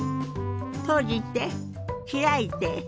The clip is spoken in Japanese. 閉じて開いて。